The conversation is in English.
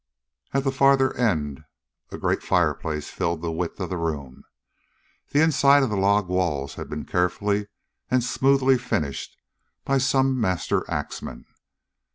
At the farther end a great fireplace filled the width of the room. The inside of the log walls had been carefully and smoothly finished by some master axman.